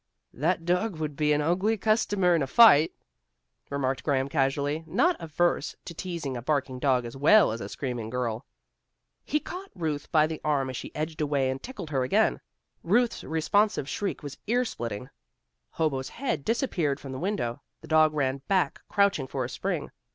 "That dog would be an ugly customer in a fight," remarked Graham casually, not averse to teasing a barking dog as well as a screaming girl. He caught Ruth by the arm as she edged away, and tickled her again. Ruth's responsive shriek was ear splitting. Hobo's head disappeared from the window. The dog ran back, crouching for a spring.